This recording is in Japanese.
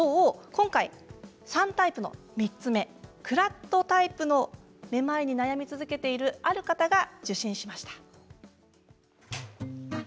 今回３タイプの３つ目クラッとめまいに悩み続けている方が受診しました。